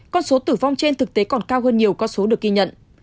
con số tử vong trên thực tế còn cao hơn nhiều con số được ghi nhận